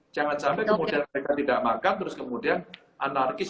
jangan sampai kemudian mereka tidak makan terus kemudian anarkis